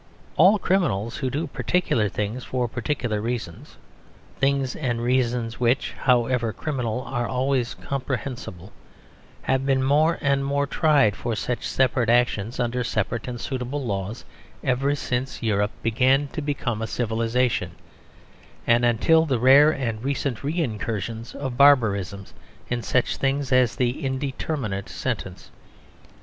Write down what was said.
All criminals, who do particular things for particular reasons (things and reasons which, however criminal, are always comprehensible), have been more and more tried for such separate actions under separate and suitable laws ever since Europe began to become a civilisation and until the rare and recent re incursions of barbarism in such things as the Indeterminate Sentence.